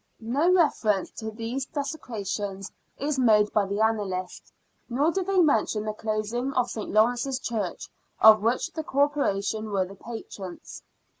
No reference to these desecrations is made by the annalists, nor do they mention the closing of St. Lawrence's Church, of which the Cor poration were the patrons.